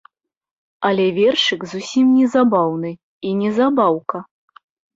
Але вершык зусім не забаўны і не забаўка.